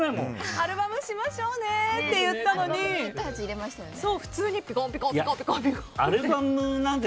アルバムしましょうね！って言ったのに普通にピコンピコンって。